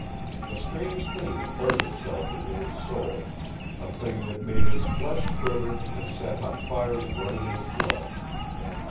A strange thing had burned itself into his soul, a thing that made his flesh quiver and set hot fires running in his blood.